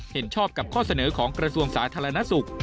เห็นชอบกับข้อเสนอของกระทรวงสาธารณสุข